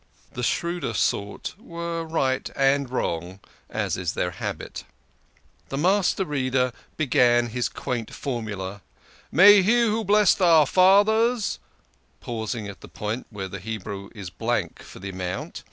The shrewder sort were right and wrong, as is their habit. 130 THE KING OF SCHNORRERS. The Master Reader began his quaint formula, " May He who blessed our Fathers," pausing at the point where the Hebrew is blank for the amount.